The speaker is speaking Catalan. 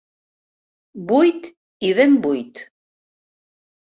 Buit i ben buit.